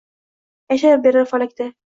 Yashayberar falakda.